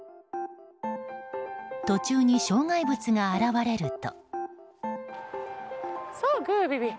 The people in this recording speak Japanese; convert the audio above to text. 途中に障害物が現れると。